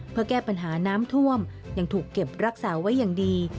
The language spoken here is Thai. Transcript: เพื่อแก้ปัญหาน้ำท่วมยังถูกเก็บรักษาไว้อย่างดี